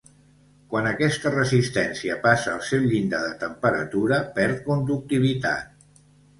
Quan aquesta resistència passa el seu llindar de temperatura perd conductivitat.